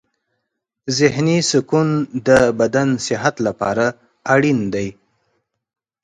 ذهني سکون د بدن صحت لپاره اړین دی.